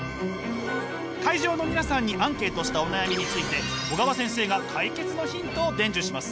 会場の皆さんにアンケートしたお悩みについて小川先生が解決のヒントを伝授します！